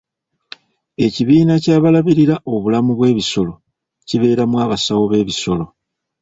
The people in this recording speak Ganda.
Ekibiina ky'abalabirira obulamu bw'ebisolo kibeeramu abasawo b'ebisolo.